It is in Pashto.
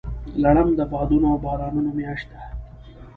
لړم د بادونو او بارانونو میاشت ده.